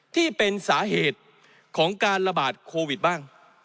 ที่เป็นสาเหตุของการระบาดโควิดบ้าง